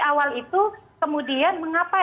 awal itu kemudian mengapa